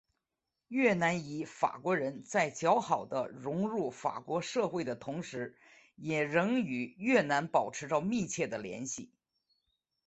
越南裔法国人在较好的融入法国社会的同时也仍与越南保持着紧密的联系。